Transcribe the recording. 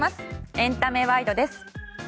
エンタメワイドです。